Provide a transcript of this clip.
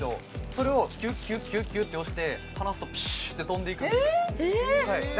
それをギュッギュッギュッギュッて押して離すとプシューって飛んでいくんですよえっ？